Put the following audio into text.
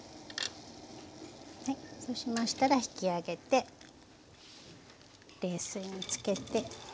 そうしましたら引き上げて冷水につけて。